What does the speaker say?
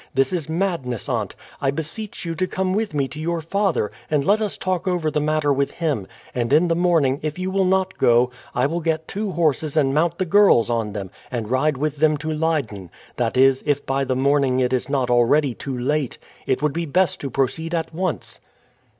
This is madness, aunt. I beseech you come with me to your father, and let us talk over the matter with him; and in the morning, if you will not go, I will get two horses and mount the girls on them, and ride with them to Leyden that is, if by the morning it is not already too late. It would be best to proceed at once."